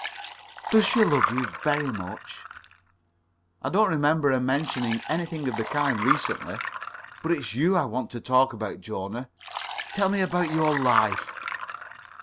"Does she love you very much?" "I don't remember her mentioning anything of the kind recently. But it's you I want to talk about, Jona. Tell me about your life."